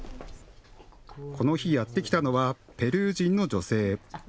この日、やって来たのはペルー人の女性。